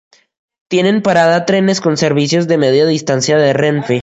Tienen parada trenes con servicios de Media Distancia de Renfe.